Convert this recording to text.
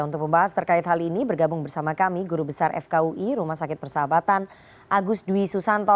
untuk membahas terkait hal ini bergabung bersama kami guru besar fkui rumah sakit persahabatan agus dwi susanto